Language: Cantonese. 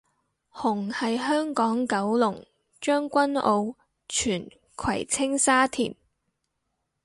紅係香港九龍將軍澳荃葵青沙田